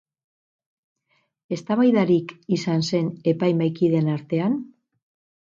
Eztabaidarik izan zen epaimahaikideen artean?